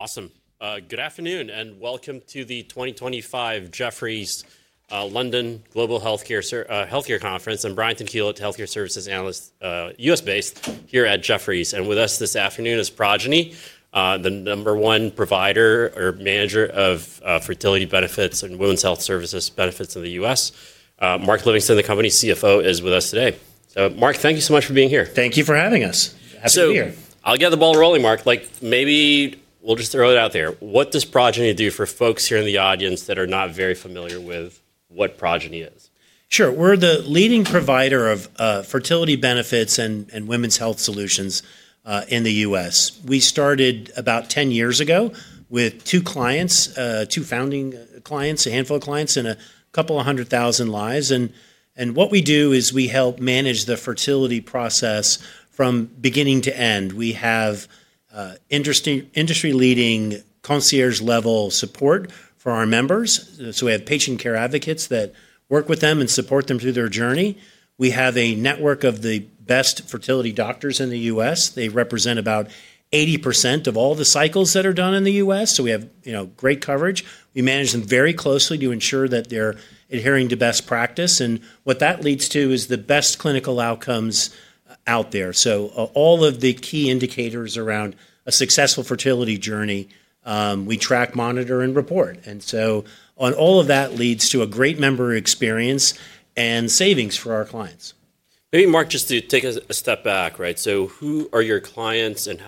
Awesome. Good afternoon, and welcome to the 2025 Jefferies London Global Healthcare Conference. I'm Brian Tanquilut, Healthcare Services Analyst, U.S.-based here at Jefferies. With us this afternoon is Progyny, the number one provider or manager of fertility benefits and women's health services benefits in the U.S. Mark Livingston, the company's CFO is with us today. Mark, thank you so much for being here. Thank you for having us. Happy to be here. I'll get the ball rolling, Mark. Like, maybe we'll just throw it out there. What does Progyny do for folks here in the audience that are not very familiar with what Progyny is? Sure. We're the leading provider of fertility benefits and women's health solutions in the U.S. We started about 10 years ago with two clients, two founding clients, a handful of clients and a couple of hundred thousand lives. What we do is we help manage the fertility process from beginning to end. We have industry-leading concierge-level support for our members. We have patient care advocates that work with them and support them through their journey. We have a network of the best fertility doctors in the U.S. They represent about 80% of all the cycles that are done in the U.S. We have great coverage. We manage them very closely to ensure that they're adhering to best practice. What that leads to is the best clinical outcomes out there. All of the key indicators around a successful fertility journey, we track, monitor, and report. All of that leads to a great member experience and savings for our clients. Maybe, Mark, just to take a step back, right? Who are your clients, and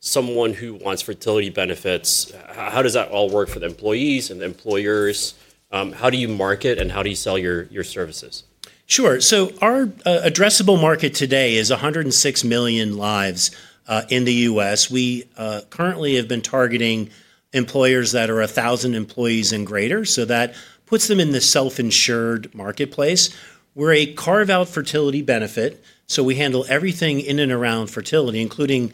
someone who wants fertility benefits, how does that all work for the employees and the employers? How do you market and how do you sell your services? Sure. Our addressable market today is 106 million lives in the U.S. We currently have been targeting employers that are 1,000 employees and greater. That puts them in the self-insured marketplace. We are a carve-out fertility benefit. We handle everything in and around fertility, including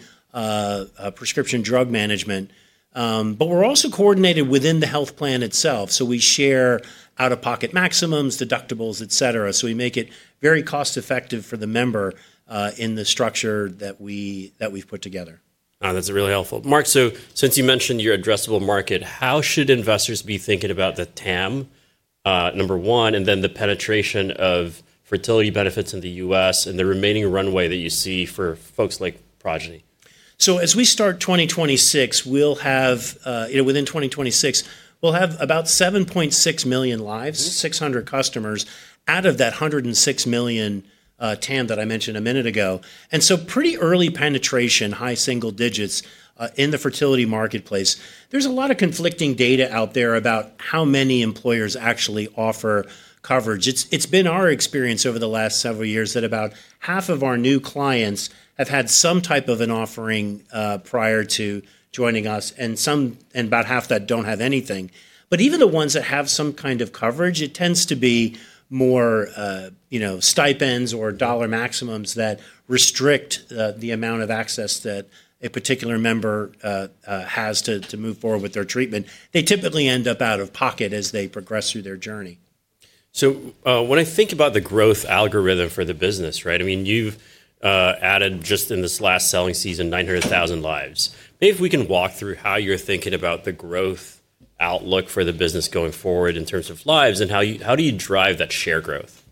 prescription drug management. We are also coordinated within the health plan itself. We share out-of-pocket maximums, deductibles, etc. We make it very cost-effective for the member in the structure that we have put together. No, that's really helpful. Mark, since you mentioned your addressable market, how should investors be thinking about the TAM, number one and then the penetration of fertility benefits in the U.S., and the remaining runway that you see for folks like Progyny? As we start 2026, within 2026, we'll have about 7.6 million lives, 600 customers, out of that 106 million TAM that I mentioned a minute ago. Pretty early penetration, high single digits in the fertility marketplace. There's a lot of conflicting data out there about how many employers actually offer coverage. It's been our experience over the last several years, that about half of our new clients have had some type of an offering prior to joining us and about half that do not have anything. Even the ones that have some kind of coverage, it tends to be more, you know, stipends or dollar maximums that restrict the amount of access that a particular member has to move forward with their treatment. They typically end up out of pocket as they progress through their journey. When I think about the growth algorithm for the business, right, I mean, you've added just in this last selling season, 900,000 lives. Maybe if we can walk through how you're thinking about the growth outlook for the business going forward in terms of lives and how do you drive that share growth?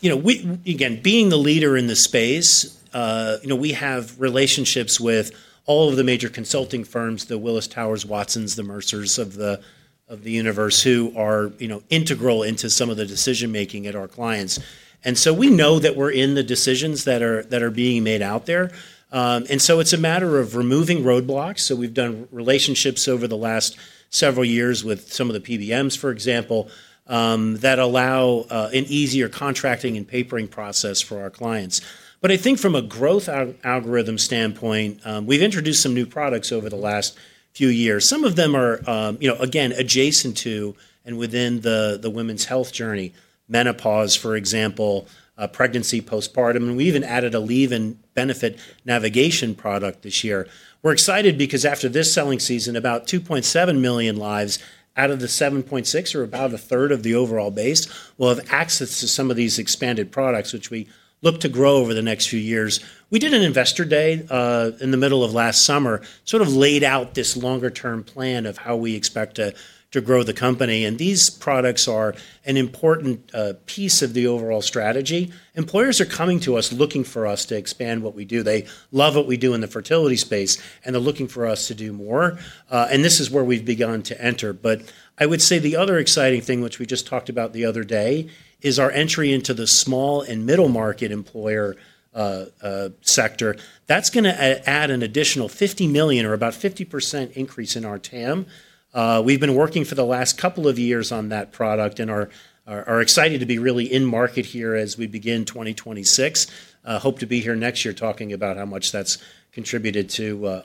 You know, again, being the leader in the space, you know, we have relationships with all of the major consulting firms, the Willis Towers Watsons, the Mercers of the universe, who are integral into some of the decision-making at our clients. We know that we're in the decisions that are being made out there. It's a matter of removing roadblocks. We've done relationships over the last several years with some of the PBMs, for example, that allow an easier contracting and papering process for our clients. I think from a growth algorithm standpoint, we've introduced some new products over the last few years. Some of them are, you know, again adjacent to and within the women's health journey, menopause, for example, pregnancy, postpartum. We even added a [leave-in] benefit navigation product this year. We're excited because after this selling season, about 2.7 million lives out of the 7.6, are about 1/3 of the overall base. We'll have access to some of these expanded products, which we look to grow over the next few years. We did an Investor Day in the middle of last summer, sort of laid out this longer-term plan of how we expect to grow the company. These products are an important piece of the overall strategy. Employers are coming to us, looking for us to expand what we do. They love what we do in the fertility space, and they're looking for us to do more. This is where we've begun to enter. I would say the other exciting thing, which we just talked about the other day, is our entry into the small and middle-market employer sector. That's going to add an additional 50 million or about 50% increase in our TAM. We've been working for the last couple of years on that product, and are excited to be really in market here as we begin 2026. Hope to be here next year talking about how much that's contributed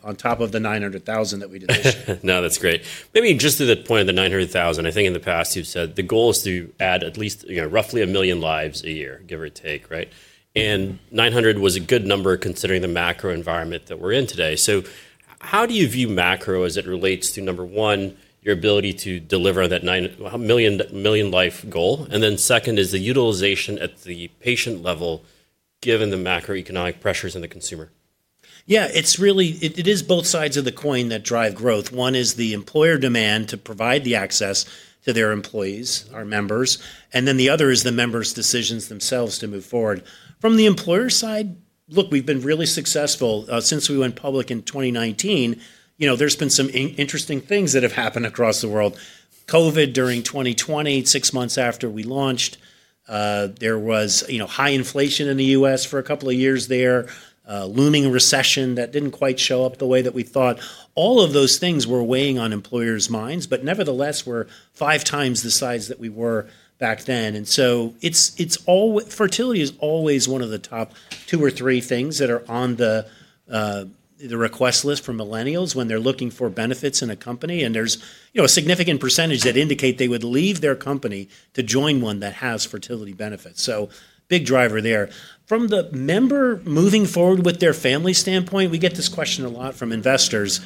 on top of the 900,000 that we did this year. No, that's great. Maybe just to the point of the 900,000, I think in the past, you've said the goal is to add at least roughly 1 million lives a year, give or take, right? 900 was a good number considering the macro environment that we're in today. How do you view macro as it relates to, number one, your ability to deliver that million-life goal? Second is the utilization at the patient level, given the macroeconomic pressures on the consumer. Yeah, it is both sides of the coin that drive growth. One is the employer demand to provide the access to their employees, our members. The other is the members' decisions themselves to move forward. From the employer side, look, we've been really successful since we went public in 2019. You know, there's been some interesting things that have happened across the world. COVID during 2020, six months after we launched, there was high inflation in the U.S. for a couple of years there, looming recession that didn't quite show up the way that we thought. All of those things were weighing on employers' minds, but nevertheless, we're 5x the size that we were back then. Fertility is always one of the top two or three things that are on the request list for millennials when they're looking for benefits in a company. There is a significant percentage that indicate they would leave their company to join one that has fertility benefits, so big driver there. From the member moving forward with their family standpoint, we get this question a lot from investors.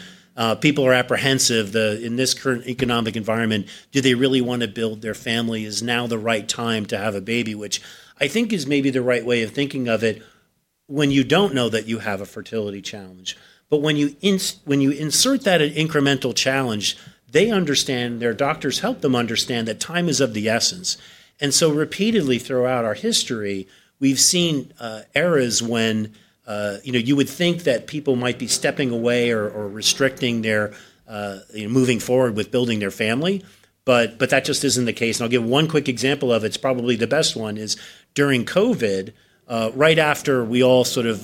People are apprehensive in this current economic environment. Do they really want to build their family? Is now the right time to have a baby? Which I think is maybe the right way of thinking of it when you do not know that you have a fertility challenge. When you insert that incremental challenge, they understand, their doctors help them understand that time is of the essence. Repeatedly throughout our history, we have seen eras when, you know, you would think that people might be stepping away or restricting their moving forward with building their family, but that just is not the case. I'll give one quick example of it. It's probably the best one, is during COVID, right after we all sort of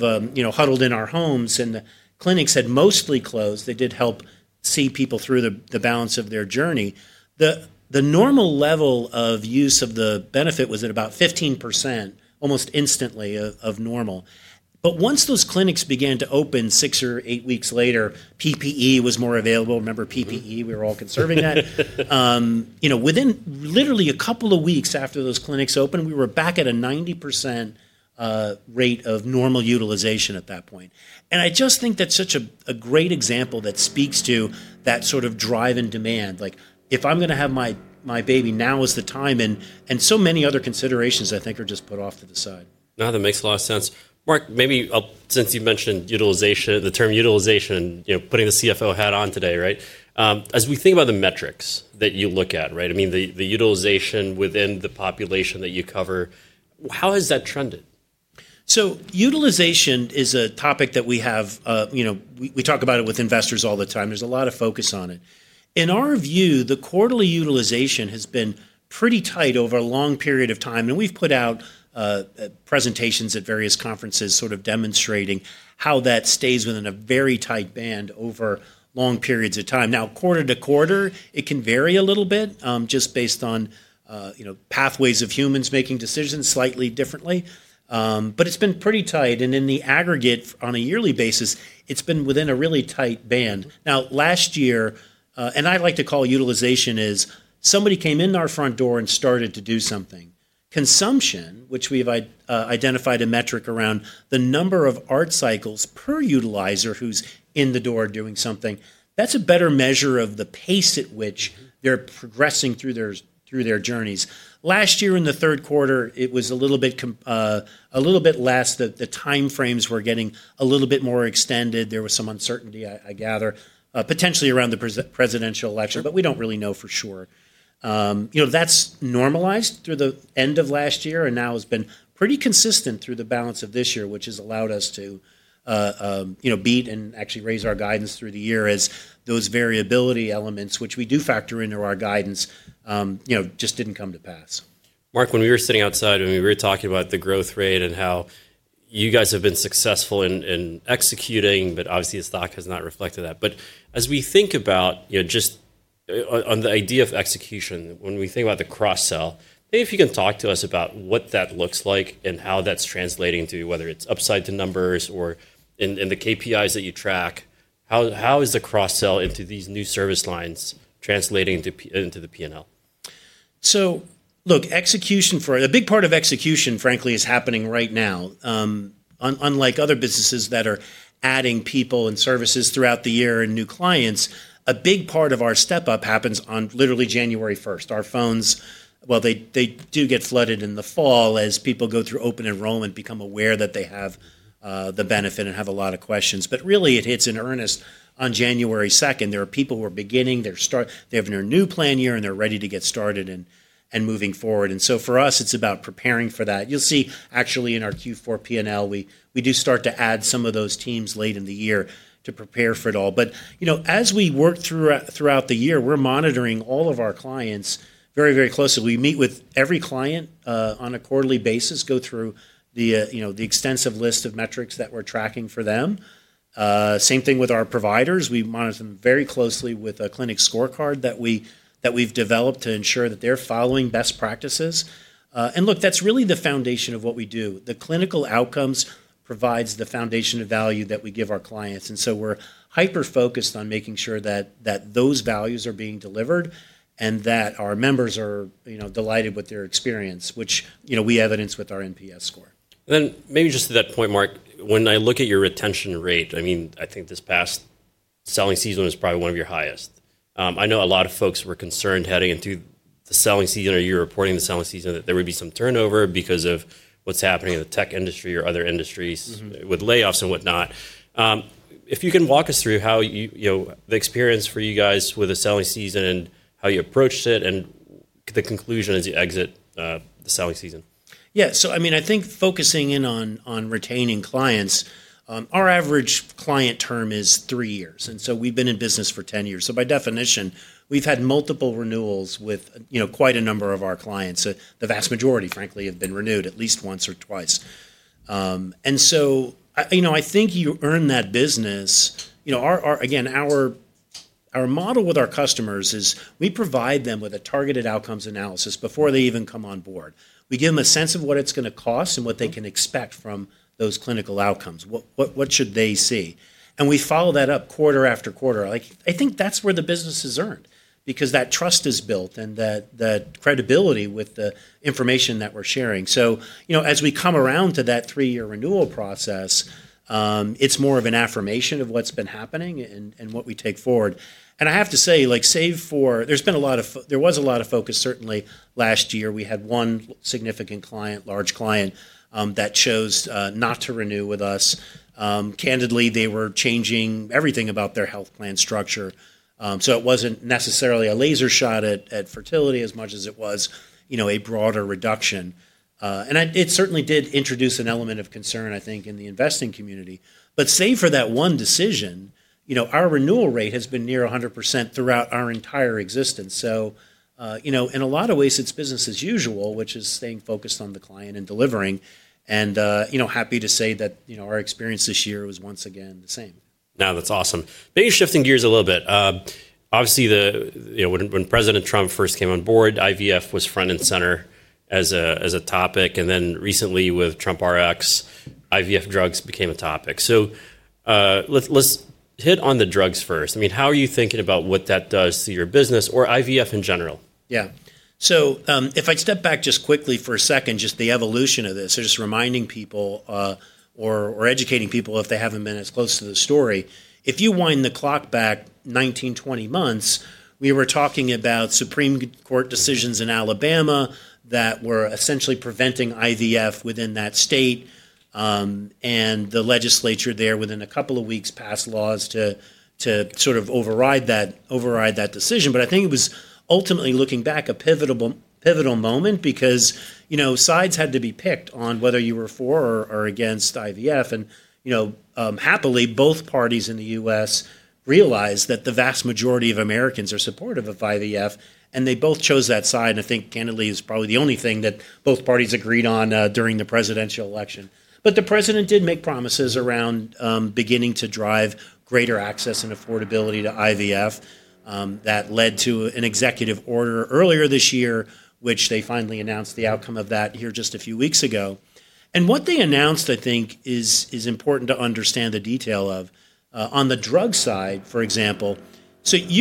huddled in our homes and the clinics had mostly closed, they did help see people through the balance of their journey. The normal level of use of the benefit was at about 15%, almost instantly of normal. Once those clinics began to open six or eight weeks later, PPE was more available. Remember PPE? We were all conserving that. You know, within literally a couple of weeks after those clinics opened, we were back at a 90% rate of normal utilization at that point. I just think that's such a great example that speaks to that sort of drive and demand. Like, if I'm going to have my baby, now is the time and so many other considerations I think are just put off to the side. No, that makes a lot of sense. Mark, maybe since you mentioned the term utilization, you know, putting the CFO hat on today, right? As we think about the metrics that you look at, right? I mean, the utilization within the population that you cover, how has that trended? Utilization is a topic that, you know, we talk about it with investors all the time. There is a lot of focus on it. In our view, the quarterly utilization has been pretty tight over a long period of time. We have put out presentations at various conferences, sort of demonstrating how that stays within a very tight band over long periods of time. Now, quarter to quarter, it can vary a little bit just based on, you know, pathways of humans making decisions slightly differently. It has been pretty tight. In the aggregate, on a yearly basis, it has been within a really tight band. Last year, and I like to call utilization as, somebody came in our front door and started to do something. Consumption, which we've identified a metric around the number of ART cycles per utilizer who's in the door doing something, that's a better measure of the pace at which they're progressing through their journeys. Last year, in the third quarter, it was a little bit less. The time frames were getting a little bit more extended. There was some uncertainty, I gather, potentially around the presidential election, but we don't really know for sure. You know, that's normalized through the end of last year, and now has been pretty consistent through the balance of this year, which has allowed us to, you know, beat and actually raise our guidance through the year as those variability elements, which we do factor into our guidance, you know, just didn't come to pass. Mark, when we were sitting outside and we were talking about the growth rate, and how you guys have been successful in executing, but obviously, the stock has not reflected that. As we think about, you know, just on the idea of execution, when we think about the cross-sell, maybe if you can talk to us about what that looks like and how that's translating to whether it's upside to numbers or in the KPIs that you track, how is the cross-sell into these new service lines translating into the P&L? Look, a big part of execution frankly is happening right now. Unlike other businesses that are adding people and services throughout the year and new clients, a big part of our step-up happens on literally January 1st. Our phones, well, they do get flooded in the fall as people go through open enrollment, become aware that they have the benefit, and have a lot of questions. Really, it hits in earnest on January 2nd. There are people who are beginning, they're starting, they have their new plan year, and they're ready to get started and moving forward. For us, it's about preparing for that. You'll see actually in our Q4 P&L, we do start to add some of those teams late in the year to prepare for it all. You know, as we work throughout the year, we're monitoring all of our clients very, very closely. We meet with every client on a quarterly basis, go through, you know, the extensive list of metrics that we're tracking for them. Same thing with our providers. We monitor them very closely with a clinic scorecard that we've developed to ensure that they're following best practices. Look, that's really the foundation of what we do. The clinical outcomes provides the foundation of value that we give our clients. We're hyper-focused on making sure that those values are being delivered, and that our members are delighted with their experience, which, you know, we evidence with our NPS score. Maybe just to that point, Mark, when I look at your retention rate, I mean, I think this past selling season was probably one of your highest. I know a lot of folks were concerned heading into the selling season, or you're reporting the selling season that there would be some turnover because of what's happening in the tech industry, or other industries with layoffs and whatnot. If you can walk us through, you know, the experience for you guys with the selling season and how you approached it, and the conclusion as you exit the selling season. Yeah. I mean, I think focusing in on retaining clients, our average client term is three years and so we've been in business for 10 years. By definition, we've had multiple renewals with, you know, quite a number of our clients. The vast majority frankly, have been renewed at least once or twice. You know, I think you earn that business. You know, again, our model with our customers is, we provide them with a targeted outcomes analysis before they even come on board. We give them a sense of what it's going to cost and what they can expect from those clinical outcomes. What should they see? We follow that up quarter after quarter. I think that's where the business is earned because that trust is built, and that credibility with the information that we're sharing. You know, as we come around to that three-year renewal process, it's more of an affirmation of what's been happening and what we take forward. I have to say, like save for, there was a lot of focus certainly last year. We had one significant client, large client that chose not to renew with us. Candidly, they were changing everything about their health plan structure. It wasn't necessarily a laser shot at fertility as much as it was, you know, a broader reduction. It certainly did introduce an element of concern, I think in the investing community. Save for that one decision, you know, our renewal rate has been near 100% throughout our entire existence. In a lot of ways, it's business as usual, which is staying focused on the client and delivering. You know, happy to say that, you know, our experience this year was once again the same. No, that's awesome. Maybe shifting gears a little bit. Obviously, you know, when President Trump first came on board, IVF was front and center as a topic. Recently with TrumpRx, IVF drugs became a topic. Let's hit on the drugs first. I mean, how are you thinking about what that does to your business or IVF in general? Yeah. If I step back just quickly for a second, just the evolution of this, just reminding people or educating people if they have not been as close to the story. If you wind the clock back 19, 20 months, we were talking about Supreme Court decisions in Alabama that were essentially preventing IVF within that state. The legislature there within a couple of weeks, passed laws to sort of override that decision. I think it was ultimately, looking back, a pivotal moment because, you know, sides had to be picked on whether you were for or against IVF. You know, happily, both parties in the U.S. realized that the vast majority of Americans are supportive of IVF. They both chose that side. I think candidly, it is probably the only thing that both parties agreed on during the presidential election. The president did make promises around beginning to drive greater access and affordability to IVF. That led to an executive order earlier this year, which they finally announced the outcome of here just a few weeks ago. What they announced, I think is important to understand the detail of. On the drug side, for example, one,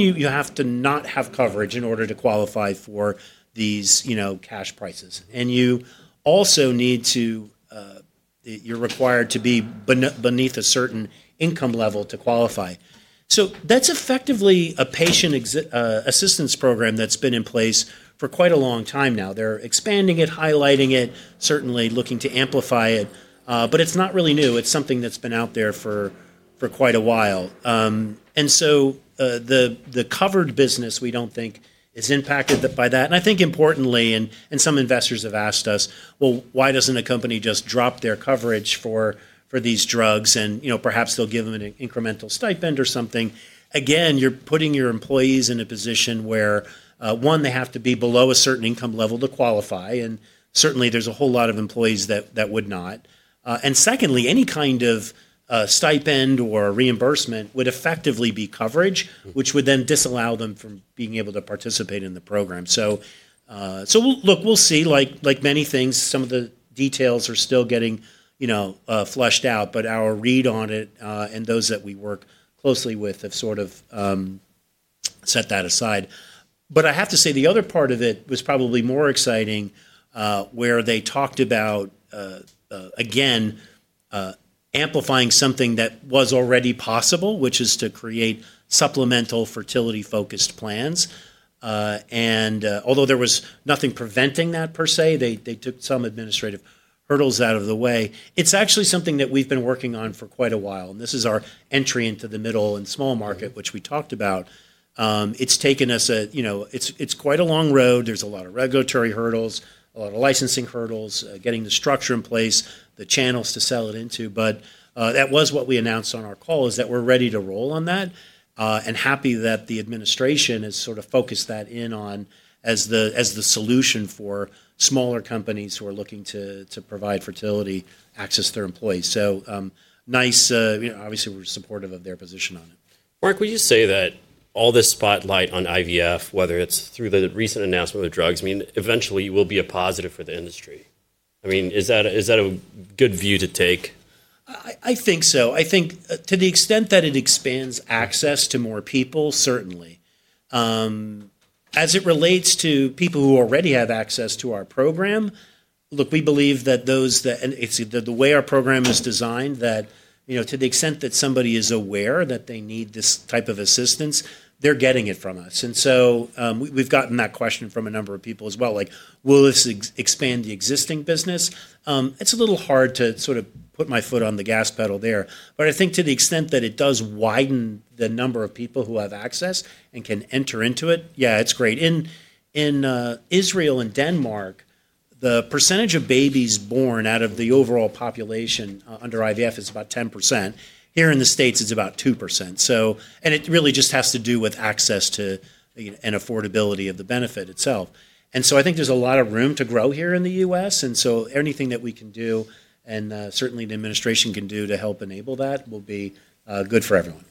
you have to not have coverage in order to qualify for these, you know, cash prices. You also are required to be beneath a certain income level to qualify. That is effectively a patient assistance program that has been in place for quite a long time now. They are expanding it, highlighting it, certainly looking to amplify it. It is not really new. It is something that has been out there for quite a while. The covered business, we do not think is impacted by that. I think importantly, and some investors have asked us, why doesn't a company just drop their coverage for these drugs? You know, perhaps they'll give them an incremental stipend or something. Again, you're putting your employees in a position where, one, they have to be below a certain income level to qualify. Certainly, there's a whole lot of employees that would not. Secondly, any kind of stipend or reimbursement would effectively be coverage, which would then disallow them from being able to participate in the program. Look, we'll see. Like many things, some of the details are still getting, you know, flushed out. Our read on it and those that we work closely with have sort of set that aside. I have to say, the other part of it was probably more exciting, where they talked about again, amplifying something that was already possible, which is to create supplemental fertility-focused plans. Although there was nothing preventing that per se, they took some administrative hurdles out of the way. It's actually something that we've been working on for quite a while. This is our entry into the middle and small market, which we talked about. It's quite a long road. There's a lot of regulatory hurdles, a lot of licensing hurdles, getting the structure in place, the channels to sell it into. That was what we announced on our call, is that we're ready to roll on that and happy that the administration has sort of focused that in on, as the solution for smaller companies who are looking to provide fertility access to their employees. Obviously, we're supportive of their position on it. Mark, would you say that all this spotlight on IVF, whether it's through the recent announcement of the drugs, I mean, eventually will be a positive for the industry? I mean, is that a good view to take? I think so. I think to the extent that it expands access to more people, certainly. As it relates to people who already have access to our program, look, we believe that the way our program is designed that, you know, to the extent that somebody is aware that they need this type of assistance, they're getting it from us. We've gotten that question from a number of people as well. Like, will this expand the existing business? It's a little hard to sort of put my foot on the gas pedal there. I think to the extent that it does widen the number of people who have access and can enter into it, yeah, it's great. In Israel and Denmark, the percentage of babies born out of the overall population under IVF is about 10%. Here in the States, it's about 2%. It really just has to do with access to and affordability of the benefit itself. I think there's a lot of room to grow here in the U.S. Anything that we can do, and certainly the administration can do to help enable that will be good for everyone.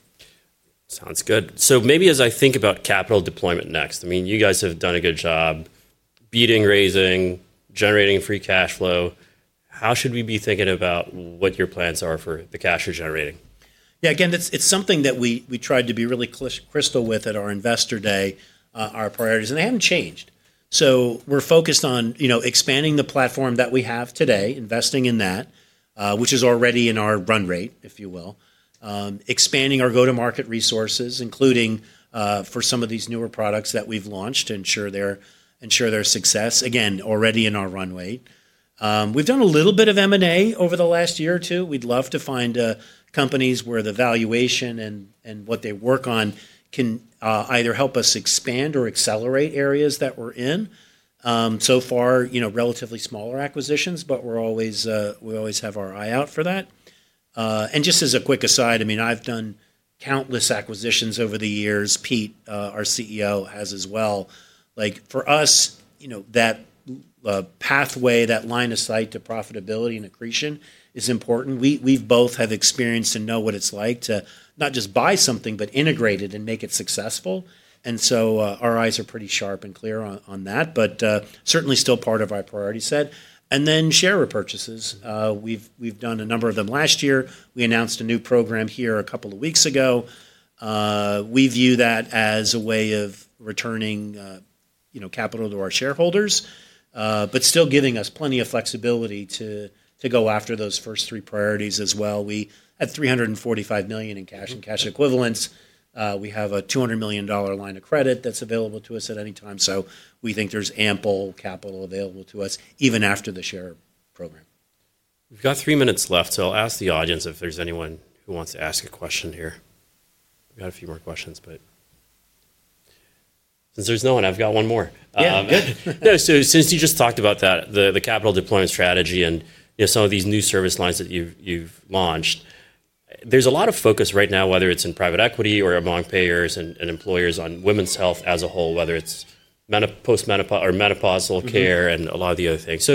Sounds good. Maybe as I think about capital deployment next, I mean, you guys have done a good job beating, raising, generating free cash flow. How should we be thinking about what your plans are for the cash you're generating? Yeah. Again, it's something that we tried to be really crystal with at our Investor Day, our priorities, and they haven't changed. We're focused on, you know, expanding the platform that we have today, investing in that, which is already in our run rate, if you will. Expanding our go-to-market resources, including for some of these newer products that we've launched, to ensure their success, again, already in our run rate. We've done a little bit of M&A over the last year or two. We'd love to find companies where the valuation and what they work on can either help us expand, or accelerate areas that we're in. So far, you know, relatively smaller acquisitions, but we always have our eye out for that. Just as a quick aside, I mean, I've done countless acquisitions over the years. Pete, our CEO, has as well. Like for us, you know, that pathway, that line of sight to profitability and accretion is important. We both have experience and know what it's like to not just buy something, but integrate it and make it successful. Our eyes are pretty sharp and clear on that, but certainly still part of our priority set. Share repurchases, we've done a number of them last year. We announced a new program here a couple of weeks ago. We view that as a way of returning, you know, capital to our shareholders, but still giving us plenty of flexibility to go after those first three priorities as well. We had $345 million in cash and cash equivalents. We have a $200 million line of credit that's available to us at any time. We think there's ample capital available to us even after the share program. We've got three minutes left. I'll ask the audience if there's anyone who wants to ask a question here. We've got a few more questions, but since there's no one, I've got one more. Yeah. Yeah. Since you just talked about that, the capital deployment strategy and you know, some of these new service lines that you've launched, there's a lot of focus right now, whether it's in private equity or among payers and employers on women's health as a whole, whether it's post-menopausal care and a lot of the other things.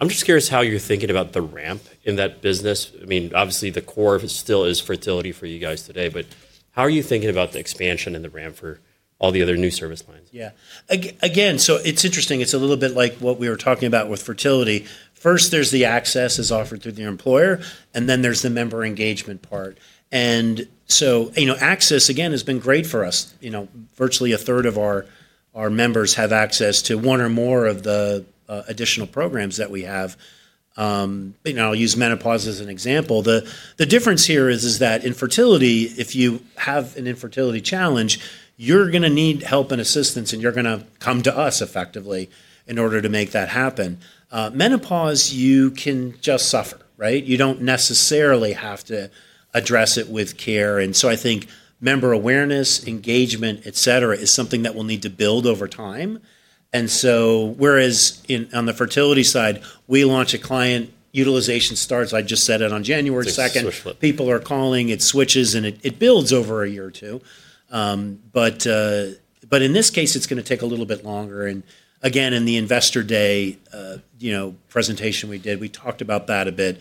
I'm just curious how you're thinking about the ramp in that business. I mean, obviously, the core still is fertility for you guys today, but how are you thinking about the expansion and the ramp for all the other new service lines? Yeah. Again, so it's interesting. It's a little bit like what we were talking about with fertility. First, there's the access that's offered through the employer, and then there's the member engagement part. You know, access again has been great for us. Virtually 1/3 of our members have access to one or more of the additional programs that we have. I'll use menopause as an example. The difference here is that, in fertility, if you have an infertility challenge, you're going to need help and assistance, and you're going to come to us effectively in order to make that happen. Menopause, you can just suffer, right? You don't necessarily have to address it with care. I think member awareness, engagement, etc, is something that we'll need to build over time. Whereas on the fertility side, we launch a client, utilization starts. Just to flip. I just said it on January 2nd, people are calling, it switches, and it builds over a year or two. In this case, it's going to take a little bit longer. Again, in the Investor Day, you know, presentation we did, we talked about that a bit.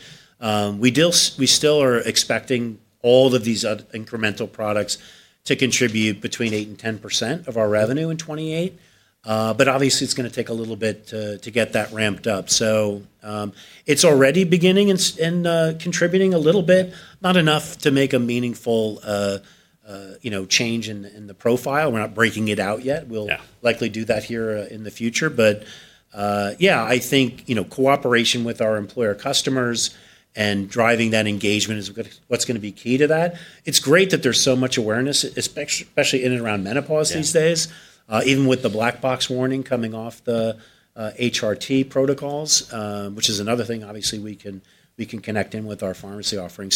We still are expecting all of these incremental products to contribute between 8% and 10% of our revenue in 2028. Obviously, it's going to take a little bit to get that ramped up. It's already beginning and contributing a little bit, not enough to make a meaningful, you know, change in the profile. We're not breaking it out yet. We'll likely do that here in the future. Yeah, I think, you know, cooperation with our employer customers and driving that engagement is what's going to be key to that. It's great that there's so much awareness, especially in and around menopause these days, even with the black box warning coming off the HRT protocols, which is another thing, obviously we can connect in with our pharmacy offering.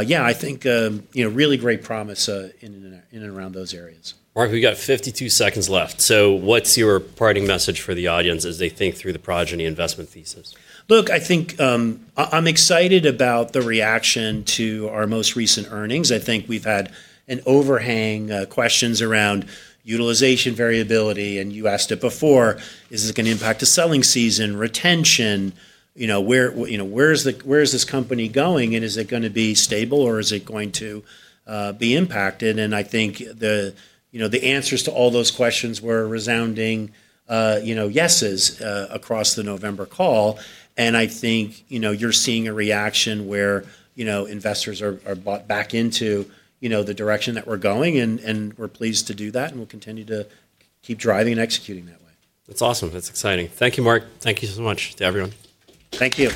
Yeah, I think, you know, really great promise in and around those areas. Mark, we've got 52 seconds left. What's your parting message for the audience as they think through the Progyny investment thesis? Look, I think I'm excited about the reaction to our most recent earnings. I think we've had an overhang of questions around utilization variability. You asked it before, is this going to impact the selling season, retention, you know, where is this company going? Is it going to be stable or is it going to be impacted? I think the answers to all those questions were resounding, you know, yeses across the November call. I think you're seeing a reaction where, you know, investors are bought back into, you know, the direction that we're going. We're pleased to do that. We'll continue to keep driving and executing that way. That's awesome. That's exciting. Thank you, Mark. Thank you so much to everyone. Thank you.